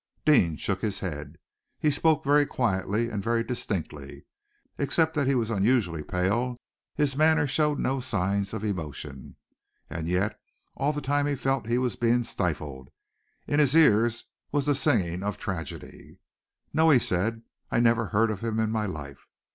Deane shook his head. He spoke very quietly and very distinctly. Except that he was unusually pale, his manner showed no signs of emotion. And yet, all the time he felt that he was being stifled! In his ears was the singing of tragedy! "No!" he said. "I never heard of him in my life."